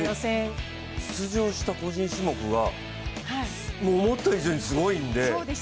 出場した個人種目が思った以上にすごいんで。